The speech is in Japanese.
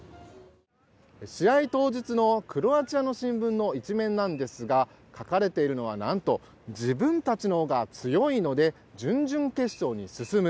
試合当日のクロアチアの新聞の１面なんですが書かれているのは、なんと自分たちのほうが強いので準々決勝に進む。